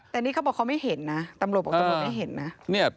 แต่นี่เขาบอกเขาไม่เห็นนะตำรวจบอกตำรวจไม่เห็นนะ